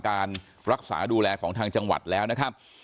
การรักษาดูแลของทางจังหวัดแล้วนะครับ